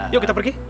yuk kita pergi